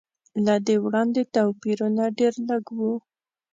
له دې وړاندې توپیرونه ډېر لږ و.